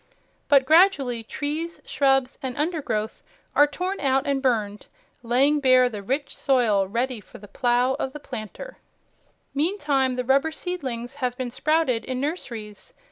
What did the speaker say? But gradually trees, shrubs and undergrowth are torn out and burned, laying bare the rich soil ready for the plow of the planter. Meantime the rubber seedlings have been sprouted in nurseries.